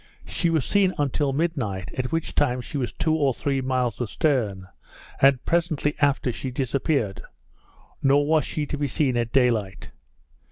She was seen until midnight, at which time she was two or three miles a stern, and presently after she disappeared; nor was she to be seen at day light.